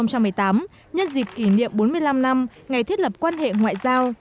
năm hai nghìn một mươi tám nhất dịp kỷ niệm bốn mươi năm năm ngày thiết lập quan hệ ngoại giao